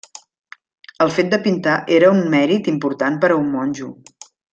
El fet de pintar era un mèrit important per a un monjo.